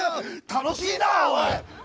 楽しいなおい！